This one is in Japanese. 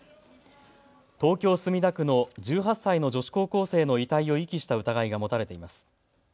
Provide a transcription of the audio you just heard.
東京墨田区の１８歳の女子高校生の遺体を遺棄した疑いが持たれています。